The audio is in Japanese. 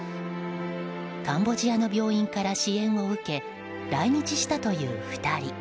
カンボジアの病院から支援を受け来日したという２人。